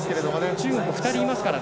中国、２人いますから。